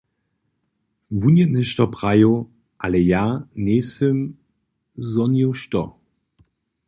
Wón je něšto prajił, ale ja njejsym zhonił što.